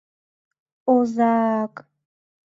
Оза-ак!..